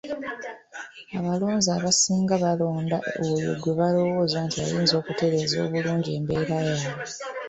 Abalonzi abasinga balonda oyo gwe balowooza nti ayinza okutereeza obulungi embeera yaabwe.